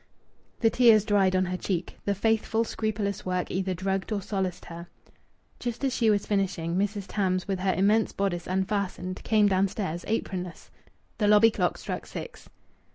The tears dried on her cheek. The faithful, scrupulous work either drugged or solaced her. Just as she was finishing, Mrs. Tarns, with her immense bodice unfastened, came downstairs, apronless. The lobby clock struck six.